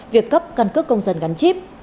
một trăm linh việc cấp căn cước công dân gắn chip